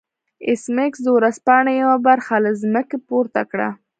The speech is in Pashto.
ایس میکس د ورځپاڼې یوه برخه له ځمکې پورته کړه